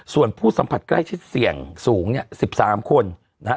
ส่วนผู้สัมผัสใกล้ชิดเสี่ยงสูงเนี่ย๑๓คนนะฮะ